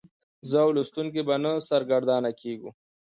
زه او لوستونکی به نه سرګردانه کیږو.